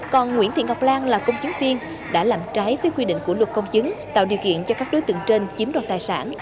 còn nguyễn thị ngọc lan là công chứng viên đã làm trái với quy định của luật công chứng tạo điều kiện cho các đối tượng trên chiếm đoạt tài sản